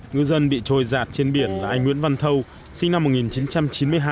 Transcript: ngư dân bị trôi giạt trên biển là anh nguyễn văn thâu sinh năm một nghìn chín trăm chín mươi hai